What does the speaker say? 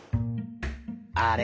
あれ？